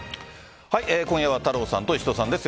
今夜は太郎さんと石戸さんです。